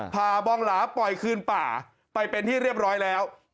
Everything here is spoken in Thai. บองหลาปล่อยคืนป่าไปเป็นที่เรียบร้อยแล้ว